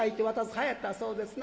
はやったそうですな。